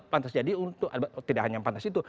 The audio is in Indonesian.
pantas jadi untuk tidak hanya pantas itu